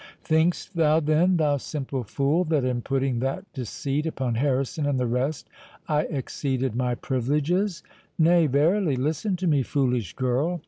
"Think'st thou then, thou simple fool, that in putting that deceit upon Harrison and the rest, I exceeded my privileges?—Nay, verily.—Listen to me, foolish girl.